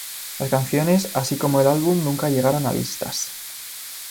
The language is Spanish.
Las canciones, así como el álbum nunca llegaron a listas.